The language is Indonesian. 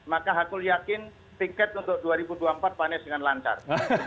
maka aku yakin tiket untuk dua ribu dua puluh empat panes dengan lancar